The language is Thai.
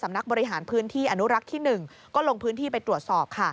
นักบริหารพื้นที่อนุรักษ์ที่๑ก็ลงพื้นที่ไปตรวจสอบค่ะ